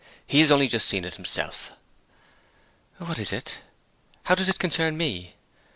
He has only just seen it himself.' 'What is it? How does it concern me?'